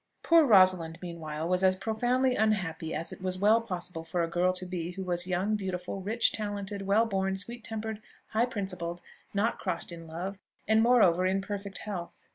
Poor Rosalind, meanwhile, was as profoundly unhappy as it was well possible for a girl to be who was young, beautiful, rich, talented, well born, sweet tempered, high principled, not crossed in love, and moreover in perfect health.